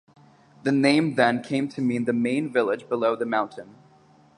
The name then came to mean the main village below the mountain.